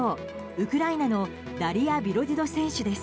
ウクライナのダリア・ビロディド選手です。